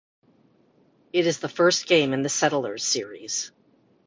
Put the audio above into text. It is the first game in "The Settlers" series.